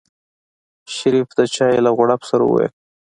شريف د چای له غړپ سره وويل.